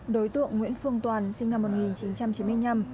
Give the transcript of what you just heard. đối tượng nguyễn phương toàn sinh năm một nghìn chín trăm chín mươi năm